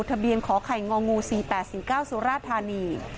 ทะเบียนขอไข่งองูสี่แปดสิบเก้าสุราธานี